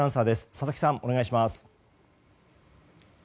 佐々木さん、お願いします。